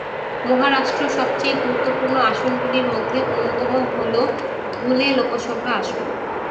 মহারাষ্ট্র সবচেয়ে গুরুত্বপূর্ণ আসনগুলির মধ্যে অন্যতম হল ধুলে লোকসভা আসন।